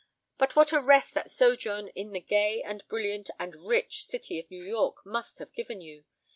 But what a rest that sojourn in the gay and brilliant and rich city of New York must have given you.